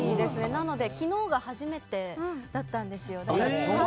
なので昨日が初めてだったんですよ。